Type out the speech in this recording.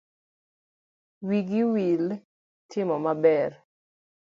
Wigi wil gi timo maber.